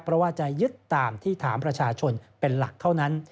เพราะว่าจะยึดตามที่ถามประชาชนเป็นหลักเท่านั้น